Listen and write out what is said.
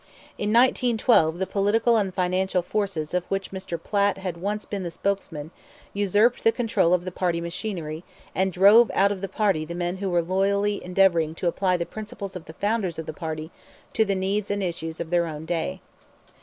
In 1912 the political and financial forces of which Mr. Platt had once been the spokesman, usurped the control of the party machinery and drove out of the party the men who were loyally endeavoring to apply the principles of the founders of the party to the needs and issues of their own day.